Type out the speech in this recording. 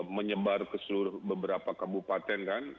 menyebar ke seluruh beberapa kabupaten kan